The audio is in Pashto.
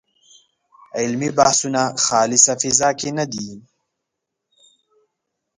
علمي بحثونه خالصه فضا کې نه دي.